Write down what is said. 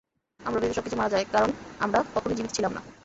আমরা ব্যতীত সবকিছু মারা যায় কারণ আমরা কখনও জীবিতই ছিলাম না।